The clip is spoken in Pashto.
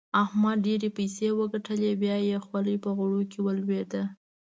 احمد ډېرې پيسې وګټلې؛ بيا يې خولۍ په غوړو کې ولوېده.